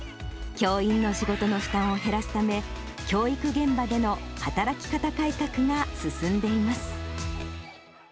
教員の仕事の負担を減らすため、教育現場での働き方改革が進んでいます。